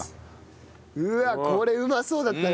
うわあこれうまそうだったね。